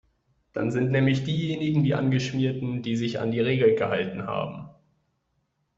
Dann sind nämlich diejenigen die Angeschmierten, die sich an die Regeln gehalten haben.